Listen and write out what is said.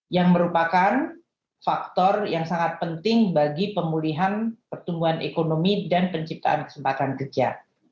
yang merupakan faktor yang sangat penting bagi pemulihan pertumbuhan ekonomi dan penciptaan kesempatan kerja